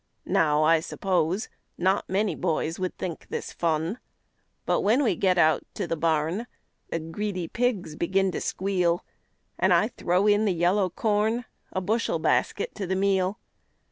Now, I suppose Not many boys would think this fun. But when we get out to the barn The greedy pigs begin to squeal, An' I throw in the yellow corn, A bushel basket to the meal.